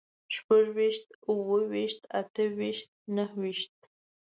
شپږويشت، اووهويشت، اتهويشت، نههويشت